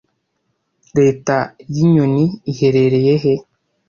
leta ya y’inyoni iherereye he